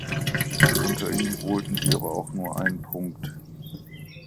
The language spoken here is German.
Unter ihm holten sie aber auch nur einen Punkt.